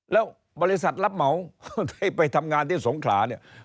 แล้วบริษัทรับเหมาที่ไปทำงานที่สงขลาเนี่ย